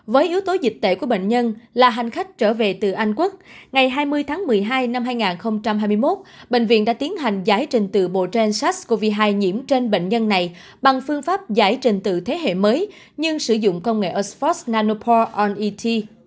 với yếu tố dịch tệ của bệnh nhân là hành khách trở về từ anh quốc ngày hai mươi tháng một mươi hai năm hai nghìn hai mươi một bệnh viện đã tiến hành giải trình tự bộ trên sars cov hai nhiễm trên bệnh nhân này bằng phương pháp giải trình tự thế hệ mới nhưng sử dụng công nghệ osphos nanopore on et